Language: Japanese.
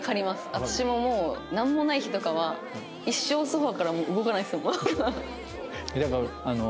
私ももうなんもない日とかは一生ソファからもう動かないですもん。